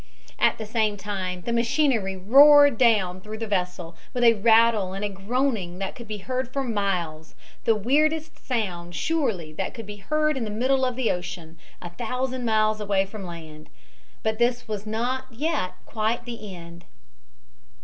At the same time the machinery roared down through the vessel with a rattle and a groaning that could be heard for miles, the weirdest sound surely that could be heard in the middle of the ocean, a thousand miles away from land. But this was not yet quite the end.